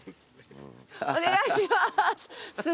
お願いします。